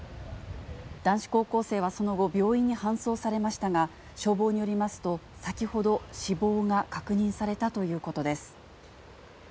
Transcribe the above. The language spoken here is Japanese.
男子高校生はその後、病院に搬送されましたが、消防によりますと、先ほど死亡が確認されたということです。